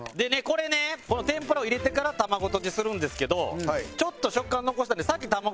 この天ぷらを入れてから卵とじするんですけどちょっと食感を残したいんで先卵入れます。